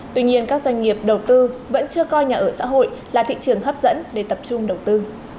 tuy nhiên các doanh nghiệp đầu tư vẫn chưa coi nhà ở xã hội là thị trường hấp dẫn để tập trung đầu tư